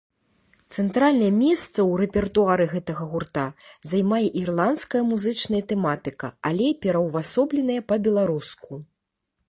Цэнтральнае месца ў рэпертуары гэтага гурта займае ірландская музычная тэматыка, але пераўвасобленая па-беларуску.